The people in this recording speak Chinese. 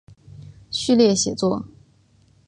序列写作。